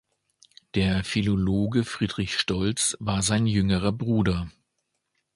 Der Philologe Friedrich Stolz war sein jüngerer Bruder.